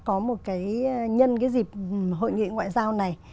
có một cái nhân cái dịp hội nghị ngoại giao này